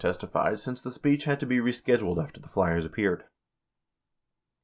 171 testified, since the speech had to be rescheduled after the flyers appeared.